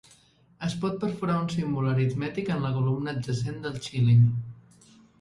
Es pot perforar un símbol aritmètic en la columna adjacent del xíling.